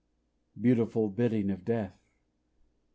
_" Beautiful bidding of Death!